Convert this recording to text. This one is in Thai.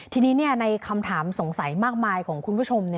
ทีนี้ในคำถามสงสัยมากมายของคุณผู้ชม